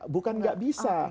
bukan tidak bisa